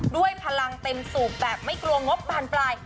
ด้วยพลังเต็มสูบแบบไม่กลัวงบบานปลาย